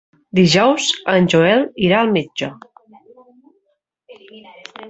Dijous en Joel irà al metge.